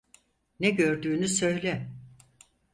Ne gördüğünü söyle.